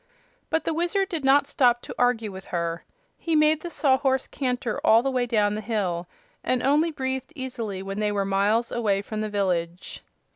But the Wizard did not stop to argue with her. He made the Sawhorse canter all the way down the hill, and only breathed easily when they were miles away from the village.